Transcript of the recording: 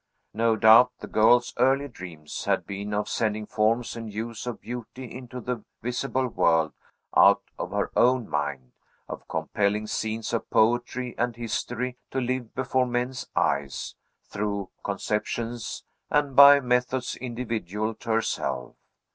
No doubt the girl's early dreams had been of sending forms and hues of beauty into the visible world out of her own mind; of compelling scenes of poetry and history to live before men's eyes, through conceptions and by methods individual to herself.